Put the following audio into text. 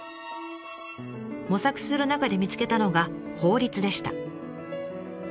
模索する中で見つけたのが法律でした。